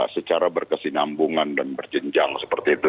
secara berkesinambungan dan berjenjang seperti itu